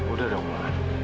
udah dong ma